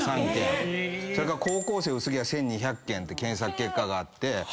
それから「高校生薄毛」は１，２００件って検索結果があって。